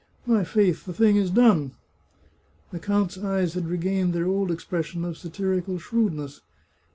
My faith, the thing is done !" The count's eyes had regained their old expression of satirical shrewdness.